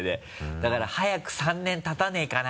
だから早く３年たたないかな？